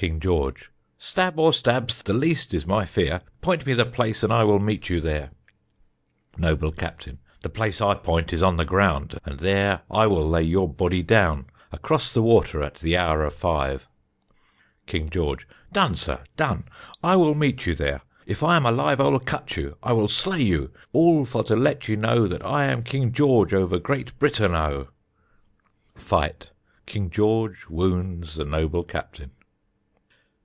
King George: Stab or stabs, the least is my fear; Point me the place And I will meet you there. Noble Captain: The place I 'point is on the ground And there I will lay your body down Across the water at the hour of five. King George: Done, sir, done! I will meet you there, If I am alive I will cut you, I will slay you, All for to let you know that I am King George over Great Britain O! [FIGHT: _King George wounds the Noble Captain.